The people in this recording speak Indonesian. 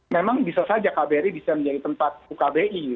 memang bisa saja kbri bisa menjadi tempat ukbi